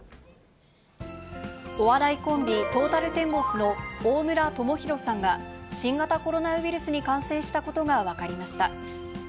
お笑いコンビ、トータルテンボスの大村朋宏さんが、新型コロナウイルスに感染したことが分かりました。